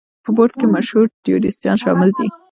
په بورډ کې مشهور تیوریستان شامل دي.